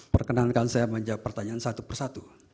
perkenankan saya menjawab pertanyaan satu persatu